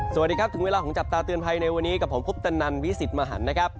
สวัสดีครับถึงเวลาของจับตาเตือนภัยในวันนี้กับผมคุปตนันวิสิทธิ์มหันนะครับ